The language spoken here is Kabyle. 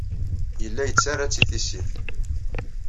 Yella yettarra-tt i tissit.